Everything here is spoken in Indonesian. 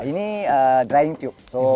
ini drying tube